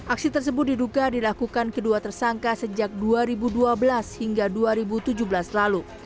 aksi tersebut diduga dilakukan kedua tersangka sejak dua ribu dua belas hingga dua ribu tujuh belas lalu